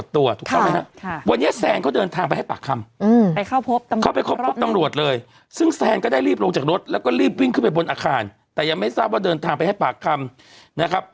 แต่ยังไม่ทราบว่าเดินทางไปให้ปากคำนะครับ